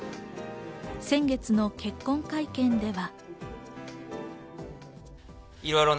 先月の結婚会見では。